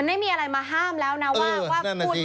นั่นแน่น่ะสิคุณไม่ได้ขัดแย้งไม่ได้